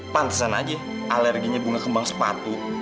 pantesan aja alerginya bunga kembang sepatu